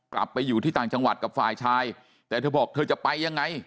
กลับไปอยู่ที่ต่างจังหวัดกับฝ่ายชายแต่เธอบอกเธอจะไปยังไง